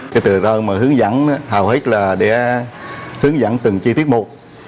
cái từ đó mà hướng dẫn hào hức là để hướng dẫn từng chi tiết một